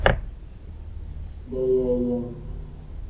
Deyeeyem.